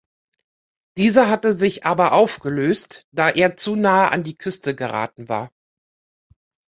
Dieser hatte sich aber aufgelöst, da er zu nahe an die Küste geraten war.